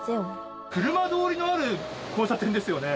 車通りのある交差点ですよね。